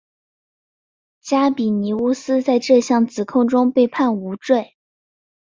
加比尼乌斯在这项指控中被判无罪。